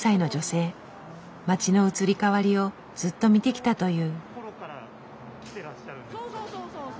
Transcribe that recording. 街の移り変わりをずっと見てきたという。